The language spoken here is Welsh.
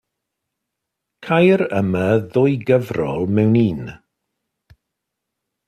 Ceir yma ddwy gyfrol mewn un.